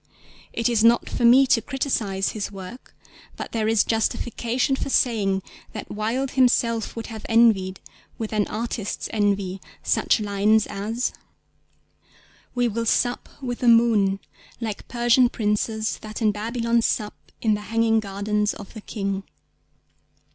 It is not for me to criticise his work, but there is justification for saying that Wilde himself would have envied, with an artist's envy, such lines as— We will sup with the moon, Like Persian princes that in Babylon Sup in the hanging gardens of the King.